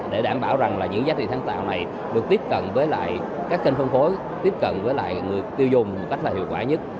để đảm bảo rằng những giá trị sáng tạo này được tiếp cận với các kênh phân phối tiếp cận với người tiêu dùng một cách hiệu quả nhất